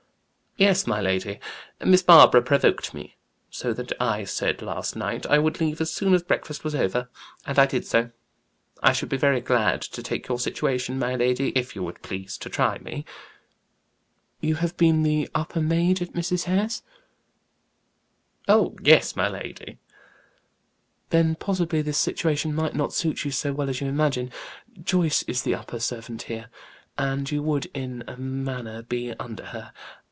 "Yes, my lady. Miss Barbara provoked me so, that I said last night I would leave as soon as breakfast was over. And I did so. I should be very glad to take your situation, my lady, if you would please to try me." "You have been the upper maid at Mrs. Hare's?" "Oh, yes, my lady." "Then possibly this situation might not suit you so well as you imagine. Joyce is the upper servant here, and you would, in a manner, be under her.